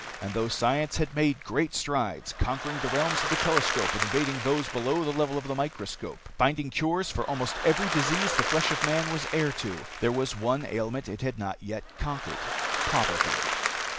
And though science had made great strides, conquering the realms of the telescope and invading those below the level of the microscope, finding cures for almost every disease the flesh of man was heir to, there was one ailment it had not yet conquered poverty.